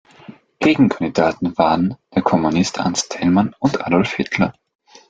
Gegenkandidaten waren der Kommunist Ernst Thälmann und Adolf Hitler.